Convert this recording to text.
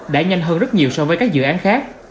đã nhanh hơn rất nhiều so với các dự án khác